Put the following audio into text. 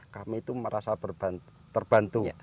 kami itu merasa terbantu